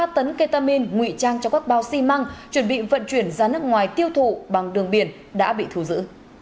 ba tấn ketamin ngụy trang cho các bao xi măng chuẩn bị vận chuyển ra nước ngoài tiêu thụ bằng đường biển đã bị thù giữ